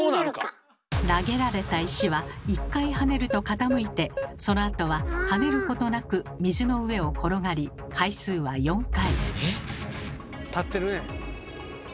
投げられた石は１回跳ねると傾いてそのあとは跳ねることなく水の上を転がり回数は４回。